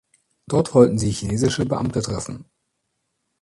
Dort wollten sie chinesische Beamte treffen.